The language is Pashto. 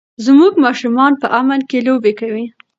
زموږ ماشومان به په امن کې لوبې کوي.